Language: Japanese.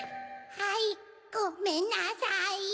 はいごめんなさい。